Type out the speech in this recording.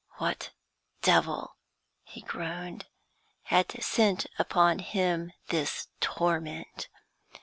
What devil he groaned had sent upon him this torment?